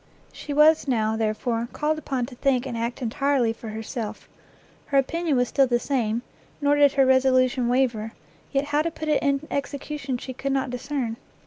She was, now, therefore, called upon to think and act entirely for herself. Her opinion was still the same, nor did her resolution waver, yet how to put it in execution she could not discern.